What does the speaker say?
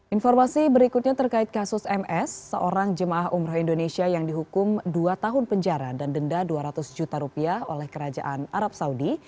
informasi berikutnya terkait kasus ms seorang jemaah umroh indonesia yang dihukum dua tahun penjara dan denda dua ratus juta rupiah oleh kerajaan arab saudi